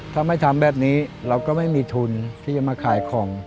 ถ้าไม่ทำแบบนี้เราก็ไม่มีทุนที่จะมาขายของ